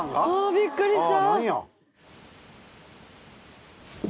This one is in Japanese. びっくりした。